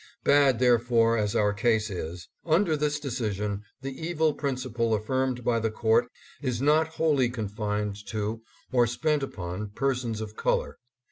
Bad, therefore, as our case is, under this decision, the evil principle affirmed by the court is not wholly confined to or spent upon persons of color.